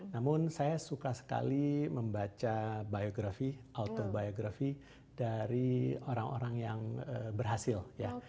namun saya suka sekali membaca biografi autobiografi dari orang orang yang berhasil ya